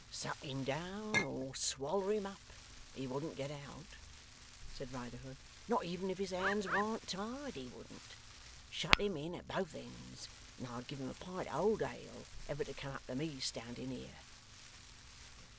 'Suck him down, or swaller him up, he wouldn't get out,' said Riderhood. 'Not even, if his hands warn't tied, he wouldn't. Shut him in at both ends, and I'd give him a pint o' old ale ever to come up to me standing here.